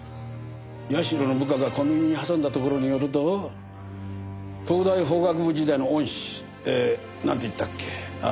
社の部下が小耳に挟んだところによると東大法学部時代の恩師えなんて言ったっけ。